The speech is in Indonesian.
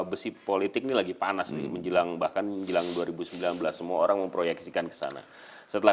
besi politik ini lagi panas nih menjelang bahkan menjelang dua ribu sembilan belas semua orang memproyeksikan kesana setelah